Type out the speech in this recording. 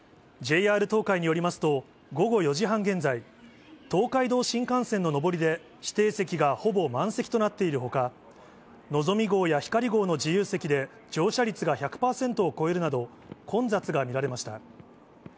ＪＲ東海によりますと、午後４時半現在、東海道新幹線の上りで指定席がほぼ満席となっているほか、のぞみ号やひかり号の自由席で乗車率が１００％を超えるなど、混雑が見られました。